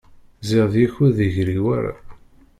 Ziɣ deg-k ur d-igri wara.